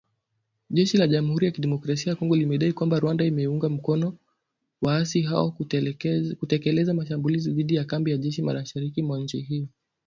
Jeshi la Jamhuri ya Kidemokrasia ya Kongo limedai kwamba Rwanda inawaunga mkono waasi hao kutekeleza mashambulizi dhidi ya kambi za jeshi mashariki mwa nchi hiyo